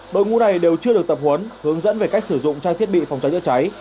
đội ngũ này đều chưa được tập huấn hướng dẫn về cách sử dụng trang thiết bị phòng cháy chữa cháy